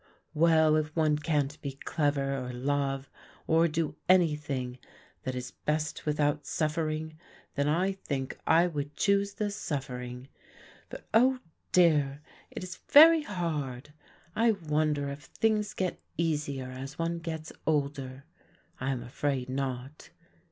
Well, if one can't be clever or love or do anything that is best without suffering, then I think I would choose the suffering. But, oh dear! it is very hard, I wonder if things get easier as one gets older. I am afraid not.